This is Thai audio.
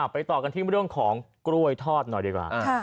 ไปต่อกันที่เรื่องของกล้วยทอดหน่อยดีกว่า